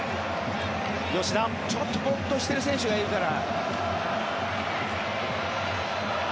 ちょっとボーッとしている選手がいるから。